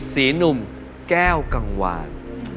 หนุ่มแก้วกังวาน